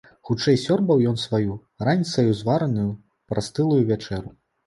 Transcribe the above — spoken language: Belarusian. Хутчэй сёрбаў ён сваю, раніцаю звараную, прастылую вячэру.